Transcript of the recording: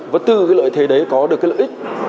và từ cái lợi thế đấy có được cái lợi ích